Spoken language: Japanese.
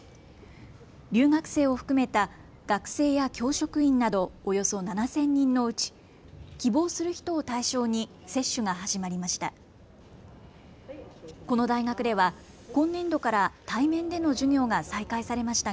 留学生を含めた学生や教職員などおよそ７０００人のうち希望する人を対象に接種が始まりました。